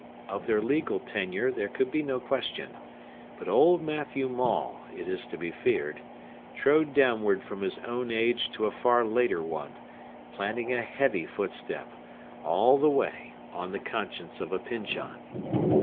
Of their legal tenure there could be no question; but old Matthew Maule, it is to be feared, trode downward from his own age to a far later one, planting a heavy footstep, all the way, on the conscience of a Pyncheon.